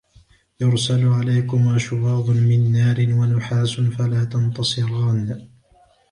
يرسل عليكما شواظ من نار ونحاس فلا تنتصران